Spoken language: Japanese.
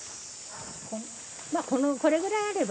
まあこれくらいあれば。